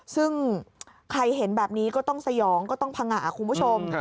ซึ่งใครเห็นแบบนี้ก็ต้องสยองก็ต้องพังงะคุณผู้ชม